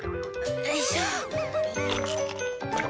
よいしょ！